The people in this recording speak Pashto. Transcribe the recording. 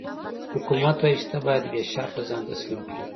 حکومت وايي چې ته باید بې شرطه ځان تسلیم کړې.